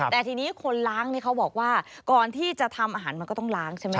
แต่ทีนี้คนล้างนี่เขาบอกว่าก่อนที่จะทำอาหารมันก็ต้องล้างใช่ไหม